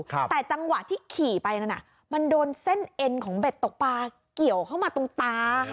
แต่จังหวะที่ขี่ไปนั่นน่ะมันโดนเส้นเอ็นของเบ็ดตกปลาเกี่ยวเข้ามาตรงตาค่ะ